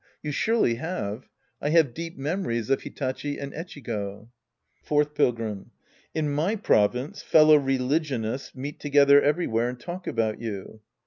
You surely have. I have deep memories of Hitachi and Echigo. Fourth Pilgrim. In my province, fellow religionists meet together everywhere and talk about you.